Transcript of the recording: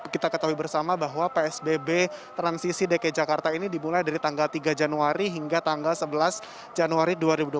karena kita ketahui bersama bahwa psbb transisi dki jakarta ini dimulai dari tanggal tiga januari hingga tanggal sebelas januari dua ribu dua puluh satu